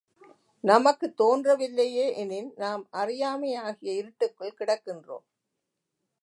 நமக்குத் தோன்றவில்லையே எனின், நாம் அறியாமையாகிய இருட்டுக்குள் கிடக்கின்றோம்.